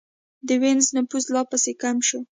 د وینز نفوس لا پسې کم شو